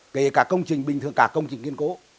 kể cả công trình bình thường cả công trình kiên cố